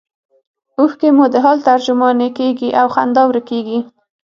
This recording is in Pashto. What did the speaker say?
اوښکې مو د حال ترجمانې کیږي او خندا ورکیږي